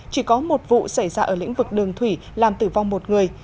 chỉ có một vụ xảy ra ở lĩnh vực đường thủy làm tử vong một người